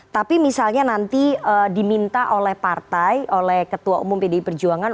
tapi misalnya nanti diminta oleh partai oleh ketua umum pdi perjuangan